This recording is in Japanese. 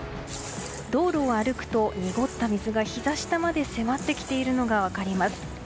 道路を歩くと濁った水がひざ下まで迫ってきているのが分かります。